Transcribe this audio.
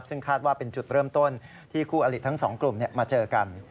ซึ่งคาดว่าเป็นจุดเริ่มต้นที่คู่อลิทั้งสองกลุ่มมาเจอกัน